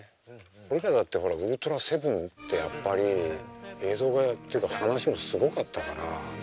俺らだってほら「ウルトラセブン」ってやっぱり映像がっていうか話もすごかったから。